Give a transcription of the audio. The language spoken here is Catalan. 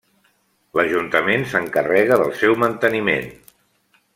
L'ajuntament s'encarrega del seu manteniment.